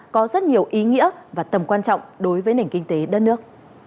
có rất nhiều ý nghĩa và tầm quan trọng đối với nền kinh tế đất nước